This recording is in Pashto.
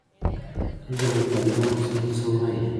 دوی به له طالبانو سره څه وایي.